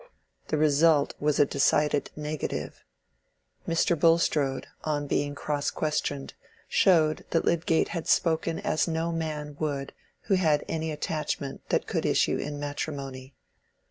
The result was a decided negative. Mr. Bulstrode, on being cross questioned, showed that Lydgate had spoken as no man would who had any attachment that could issue in matrimony.